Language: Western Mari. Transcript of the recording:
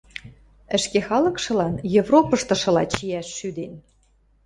ӹшке халыкшылан Европыштышыла чиӓш шӱден.